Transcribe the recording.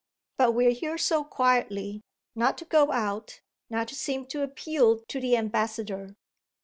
But we're here so quietly not to go out, not to seem to appeal to the ambassador.